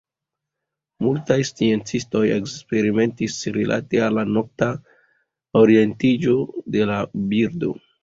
Multaj sciencistoj eksperimentis rilate al la nokta orientiĝo de la birdoj.